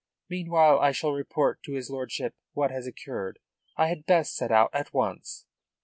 Meanwhile I shall report to his lordship what has occurred. I had best set out at once."